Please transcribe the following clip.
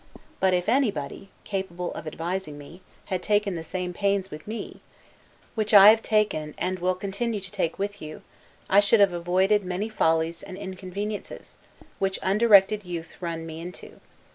But if anybody, capable of advising me, had taken the same pains with me, which I have taken, and will continue to take with you, I should have avoided many follies and inconveniences, which undirected youth run me into.